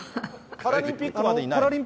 パラリンピックまでいないの？